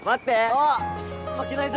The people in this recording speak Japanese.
あっ負けないぞ。